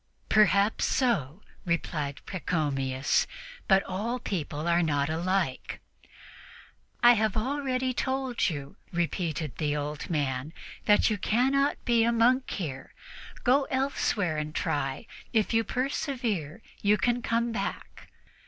"Perhaps so," replied Pachomius; "but all people are not alike." "I have already told you," repeated the old man, "that you cannot be a monk here. Go elsewhere and try; if you persevere you can come back."